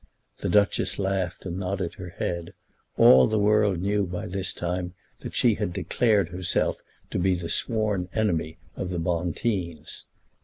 The Duchess laughed and nodded her head. All the world knew by this time that she had declared herself to be the sworn enemy of the Bonteens.